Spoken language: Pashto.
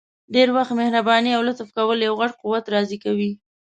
ډير وخت مهرباني او لطف کول یو غټ قوت راضي کوي!